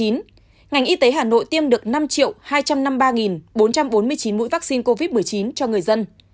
ngành y tế hà nội tiêm được năm hai trăm năm mươi ba bốn trăm bốn mươi chín mũi vaccine covid một mươi chín cho người dân